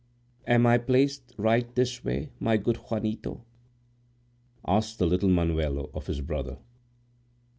"Am I placed right this way, my good Juanito?" asked the little Manuelo of his brother.